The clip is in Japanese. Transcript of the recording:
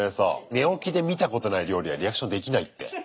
寝起きで見たことない料理はリアクションできないって。